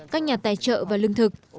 các nhà tài trợ và lương thực